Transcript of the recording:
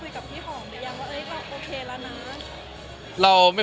อย่างเรากลับมาใช้สถานะนี้คุยกับพี่หอมได้ยังว่าเอ๊ะโอเคละนะ